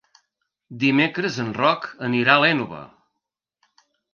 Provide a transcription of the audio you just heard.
Dimecres en Roc anirà a l'Énova.